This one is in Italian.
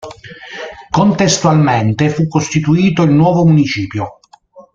Contestualmente fu costituito il nuovo Municipio.